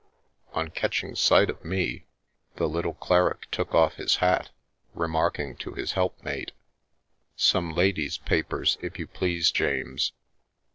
On catching sight of me the little cleric took off his hat, remarking to his helpmate :" Some ladies' papers, if you please, James.